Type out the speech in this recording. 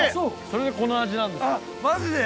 それでこの味なんですよマジで？